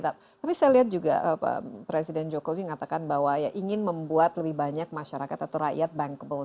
tapi saya lihat juga presiden jokowi mengatakan bahwa ya ingin membuat lebih banyak masyarakat atau rakyat bankable